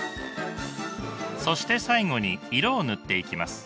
そして最後に色を塗っていきます。